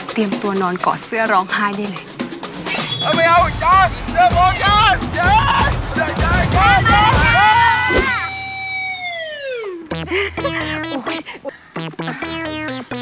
เตรียมตัวนอนกรอบเสื้อร้องไห้ไดาย